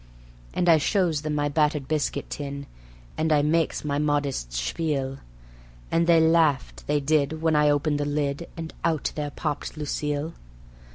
And I shows them my battered biscuit tin, and I makes my modest spiel, And they laughed, they did, when I opened the lid, and out there popped Lucille.